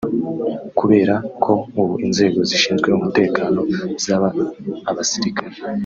Kubera ko ubu inzego zishinzwe umutekano zaba abasirikari